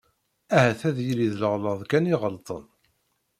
Ahat ad yili d leɣlaḍ kan i ɣelṭen.